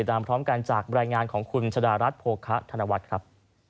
พร้อมกันจากบรรยายงานของคุณชะดารัฐโภคะธนวัฒน์ครับ